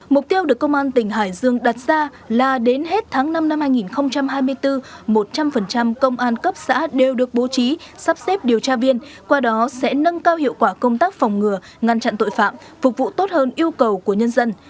mục tiêu được công an tỉnh hải dương đặt ra là đến hết tháng năm năm hai nghìn hai mươi bốn một trăm linh công an cấp xã đều được bố trí sắp xếp điều tra viên qua đó sẽ nâng cao hiệu quả công tác phòng ngừa ngăn chặn tội phạm phục vụ tốt hơn yêu cầu của nhân dân